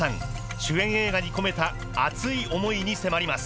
主演映画に込めた熱い思いに迫ります。